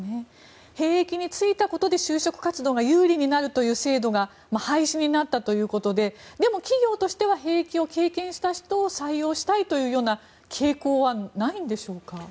兵役に就いたことで就職活動が有利になる制度が廃止になったということででも、企業としては兵役を経験した人を採用したいというような傾向はないのでしょうか。